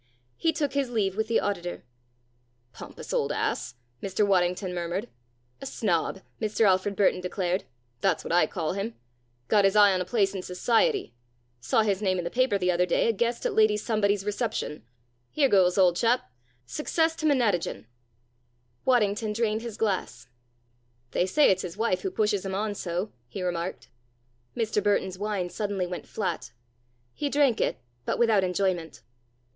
He took his leave with the auditor. "Pompous old ass!" Mr. Waddington murmured. "A snob!" Mr. Alfred Burton declared, "that's what I call him! Got his eye on a place in Society. Saw his name in the paper the other day a guest at Lady Somebody's reception. Here goes, old chap success to Menatogen!" Waddington drained his glass. "They say it's his wife who pushes him on so," he remarked. Mr. Burton's wine went suddenly flat. He drank it but without enjoyment.